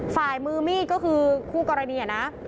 ฝ่ายมือมีดก็คือคู่กรณีนะ